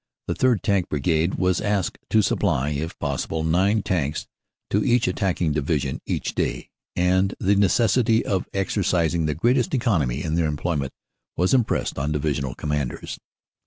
The 3rd. Tank Brigade was asked to supply, if possible, nine Tanks to each attacking Division each day, and the necessity of exer cising the greatest economy in their employment was impressed on Divisional Commanders.